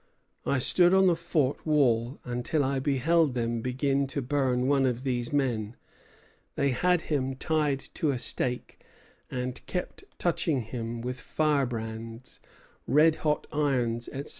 I stood on the fort wall until I beheld them begin to burn one of these men; they had him tied to a stake, and kept touching him with firebrands, red hot irons, etc.